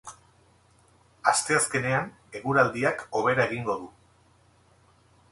Asteazkenean, eguraldiak hobera egingo du.